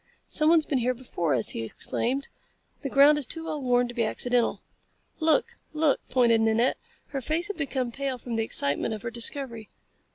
"Someone's been here before us," he exclaimed. "The ground is too well worn to be accidental." "Look! Look!" pointed Nanette. Her face had become pale from the excitement of her discovery.